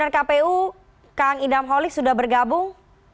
dpr kpu kang idam holik sudah bergabung